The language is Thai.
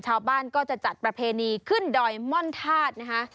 ชาวบ้านก็จะจัดประเพณีขึ้นดอยม่อนธาตุนะคะ